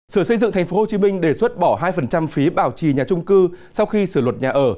sở xây dựng tp hcm đề xuất bỏ hai phí bảo trì nhà trung cư sau khi sửa luật nhà ở